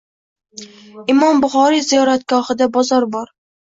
Imom Buxoriy ziyoratgohida bozor bor.